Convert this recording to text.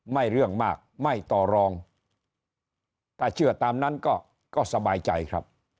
เรื่องมากไม่ต่อรองถ้าเชื่อตามนั้นก็สบายใจครับ